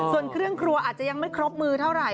ส่วนเครื่องครัวอาจจะยังไม่ครบมือเท่าไหร่